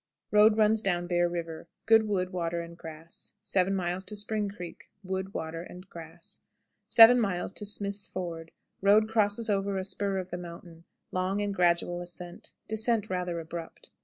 Road runs down Bear River. Good wood, water, and grass. 7. Spring Creek. Wood, water, and grass. 7. Smith's Ford. Road crosses over a spur of the mountain; long and gradual ascent; descent rather abrupt.